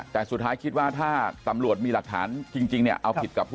ถึงตัวเขาได้ไหม